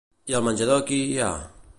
I al menjador qui hi ha?